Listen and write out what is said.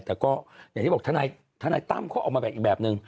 แต่ก็อย่างที่บอกทนายตั้มเขาออกมาแบบอีกแบบนึง